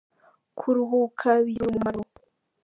Kuruhuka bigira umumaro.